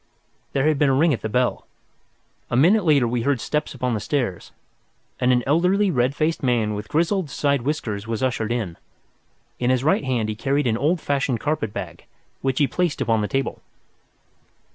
There had been a ring at the bell. A minute later we heard steps upon the stairs, and an elderly red faced man with grizzled side whiskers was ushered in. In his right hand he carried an old fashioned carpet bag, which he placed upon the table.